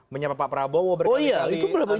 menyapa pak prabowo berkali kali